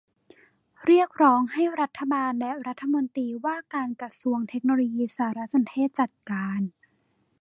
เรียกร้องให้รัฐบาลและรัฐมนตรีว่าการกระทรวงเทคโนโลยีสารสนเทศจัดการ